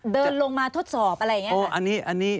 เดินลงมาทดสอบอะไรอย่างนี้